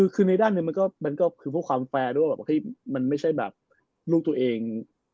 คือในด้านหน่อยผมก็คือความแฟร์ที่ไม่ใช่แบบลูกตัวเอง